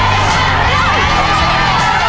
กุ๊เผา